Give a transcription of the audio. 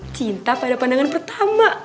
cinta pada pandangan pertama